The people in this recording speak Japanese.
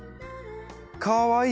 かわいい！